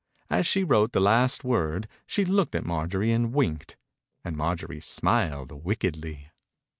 As she wrote the last word she looked at Mar jorie and winked, and Marjorie smiled wickedly.